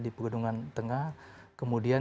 di pegunungan tengah kemudian